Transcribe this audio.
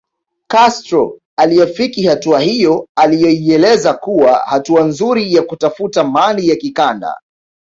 Castro aliafiki hatua hiyo aliyoielezea kuwa hatua nzuri ya kutafuta mani ya kikanda